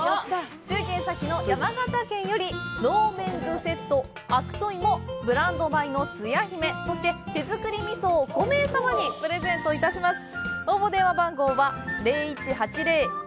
中継先の山形県より「農メンズセット」悪戸いも、ブランド米のつや姫、手作り味噌を５名様にプレゼントします。